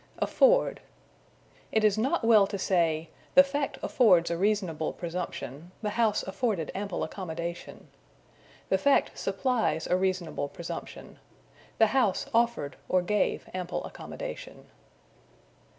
Afford. It is not well to say "the fact affords a reasonable presumption"; "the house afforded ample accommodation." The fact supplies a reasonable presumption. The house offered, or gave, ample accommodation.